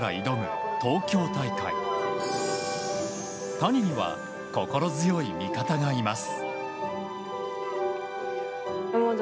谷には心強い味方がいます。